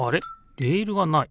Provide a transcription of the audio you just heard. レールがない。